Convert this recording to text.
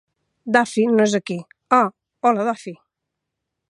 Duffy no és aquí... Oh, hola, Duffy.